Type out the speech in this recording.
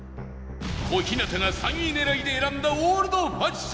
小日向が３位狙いで選んだオールドファッション